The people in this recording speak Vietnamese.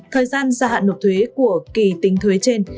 thời gian gia hạn nộp thuế của kỳ tính thuế trên